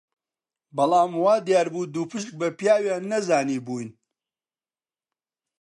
بەڵام وا دیار بوو دووپشک بە پیاویان نەزانیبووین